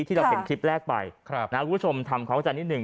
ที่เราเป็นคลิปแรกไปครับนะครับผู้ชมทำเขาจะนิดหนึ่ง